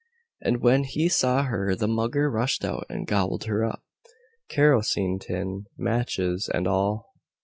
And when he saw her the Mugger rushed out and gobbled her up, kerosene tin, matches and all!!!